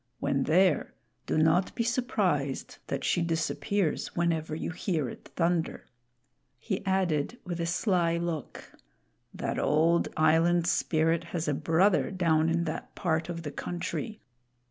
When there, do not be surprised that she disappears whenever you hear it thunder." He added, with a sly look, "That old Island Spirit has a brother down in that part of the country.